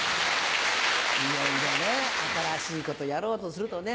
いろいろね新しいことやろうとするとね。